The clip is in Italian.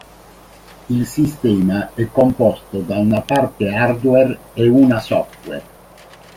Il sistema è composto da una parte hardware e una software.